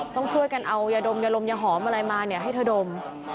ต้องช่วยกันเอายาดมยาลมยาหอมอะไรมาให้เธอดม